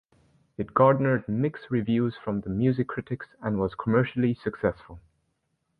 It garnered mixed reviews from the music critics and was commercially successful.